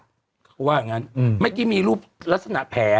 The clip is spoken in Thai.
เพราะว่าอย่างงั้นไม่กินมีรูปลัสนาแผล